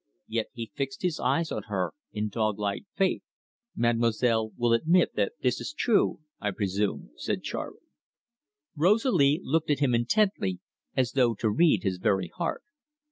Yet he fixed his eyes on her in dog like faith. "Mademoiselle will admit that this is true, I presume," said Charley. Rosalie looked at him intently, as though to read his very heart.